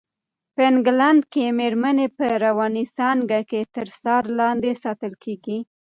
په انګلنډ کې مېرمنې په رواني څانګه کې تر څار لاندې ساتل کېږي.